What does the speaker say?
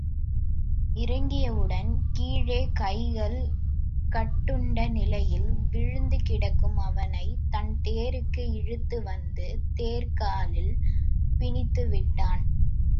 இறங்கினவுடன் கீழே கைகள் கட்டுண்ட நிலையில் விழுந்து கிடக்கும் அவனைத் தன் தேருக்கு இழுத்து வந்து தேர்க்காலில் பிணித்துவிட்டான்.